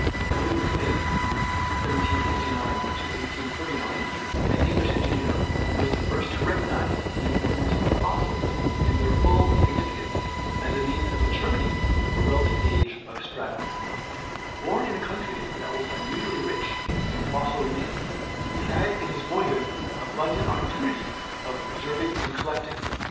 William Smith (1769 1839), an English engineer, was the first to recognise the importance of fossils in their full significance as a means of determining the relative age of strata. Born in a county that was unusually rich in MODERN DEVELOPMENT 71 fossil remains, he had in his boyhood abundant oppor tunity of observing and collecting.